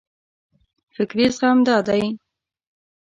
فکري زغم دا دی.